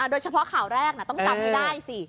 โดยเฉพาะข่าวแรกต้องจำให้ได้สิ